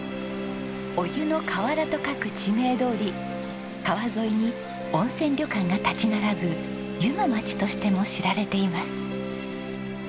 お湯の河原と書く地名どおり川沿いに温泉旅館が立ち並ぶ湯の町としても知られています。